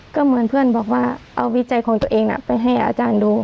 ก็เหมือนเพื่อนบอกว่าเอาวิจัยของตัวเองไปให้อาจารย์ดู